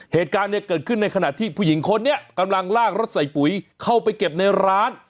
เหตุการณ์เนี่ยเกิดขึ้นในขณะที่ผู้หญิงคนนี้กำลังลากรถใส่ปุ๋ยเข้าไปเก็บในร้าน